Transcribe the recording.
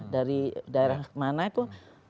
dari daerah mana itu